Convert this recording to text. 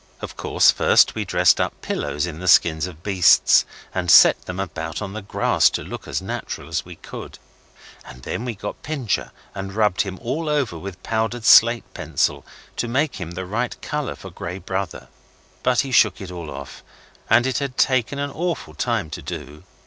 Of course first we dressed up pillows in the skins of beasts and set them about on the grass to look as natural as we could. And then we got Pincher, and rubbed him all over with powdered slate pencil, to make him the right colour for Grey Brother. But he shook it all off, and it had taken an awful time to do.